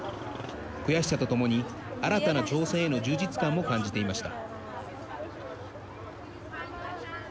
悔しさとともに新たな挑戦への充実感も感じていました。